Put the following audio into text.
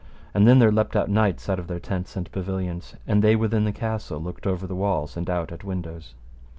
And then there leapt out knights out of their tents and pavilions, and they within the castle looked over the walls and out at windows.